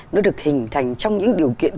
nó được hình thành trong những điều kiện